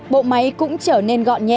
bộ máy cũng trở nên gọn nhẹ